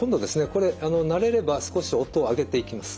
これ慣れれば少し音を上げていきます。